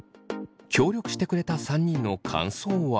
協力してくれた３人の感想は。